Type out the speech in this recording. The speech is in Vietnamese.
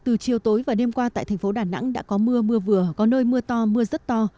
từ chiều tối và đêm qua tại thành phố đà nẵng đã có mưa mưa vừa có nơi mưa to mưa rất to